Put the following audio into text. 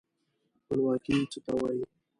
خپلواکي څه ته وايي.